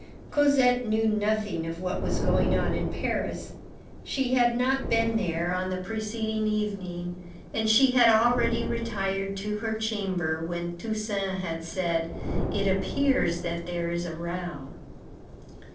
Cosette knew nothing of what was going on in Paris. She had not been there on the preceding evening, and she had already retired to her chamber when Toussaint had said: "It appears that there is a row."